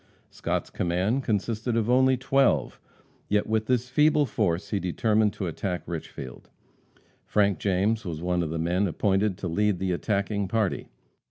Scott's command consisted of only twelve. Yet with this feeble force he determined to attack Richfield. Frank James was one of the men appointed to lead the attacking party.